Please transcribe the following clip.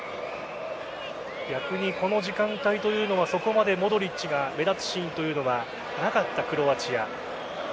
逆にこの時間帯というのはそこまでモドリッチが目立つシーンはなかったクロアチア。